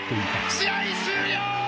試合終了。